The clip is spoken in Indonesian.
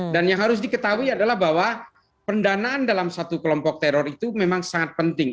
dan yang harus diketahui adalah bahwa pendanaan dalam satu kelompok teror itu memang sangat penting